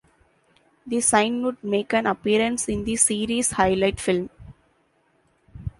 The sign would make an appearance in the Series highlight film.